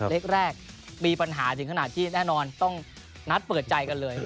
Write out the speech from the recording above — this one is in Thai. แรกมีปัญหาถึงขนาดที่แน่นอนต้องนัดเปิดใจกันเลย